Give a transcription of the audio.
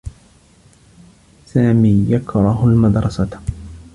سامي يكره المدرسة.